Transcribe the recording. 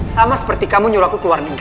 sama seperti kamu nyuruh aku keluar negeri